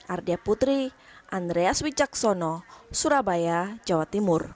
ardia putri andreas wicaksono surabaya jawa timur